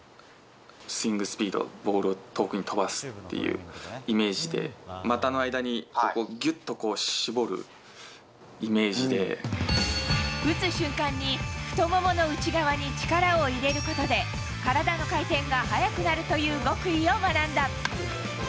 スイングスピード、ボールを遠くに飛ばすっていうイメージで、股の間にここをぎゅっ打つ瞬間に、太ももの内側に力を入れることで、体の回転が速くなるという極意を学んだ。